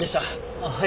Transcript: あっはい。